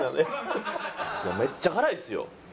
めっちゃ辛いですよ。